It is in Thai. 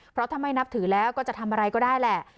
เพราะถ้าไม่นับถือแล้วก็จะทำอะไรก็ได้แหละ